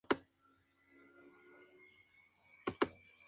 No se está seguro de su posición sistemática en las eucariotas.